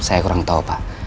saya kurang tau pak